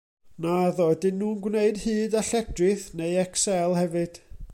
Naddo, ydyn nhw'n gwneud hyd a lledrith neu Excel hefyd?